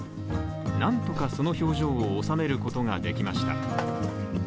なんとかその表情を収めることができました。